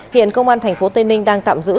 hiện công an tp tây ninh đang tạm giữ